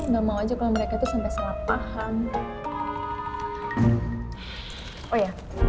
tapi gue gak mau aja kalo mereka tuh sampai salah paham